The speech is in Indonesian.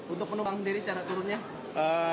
untuk penumpang sendiri cara turunnya